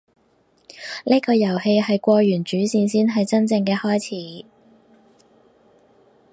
呢個遊戲係過完主線先係真正嘅開始